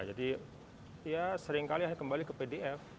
jadi ya seringkali akhirnya kembali ke pdf